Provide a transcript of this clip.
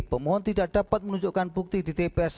pemohon tidak dapat menunjukkan bukti di tps